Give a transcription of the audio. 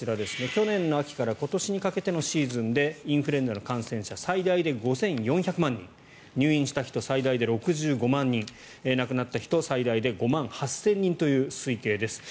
去年の秋から今年にかけてのシーズンでインフルエンザの感染者最大で５４００万人入院した人、最大で６５万人亡くなった人、最大で５万８０００人という推計です。